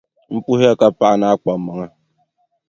M puhiya ka paɣi, ni a kpaŋmaŋa.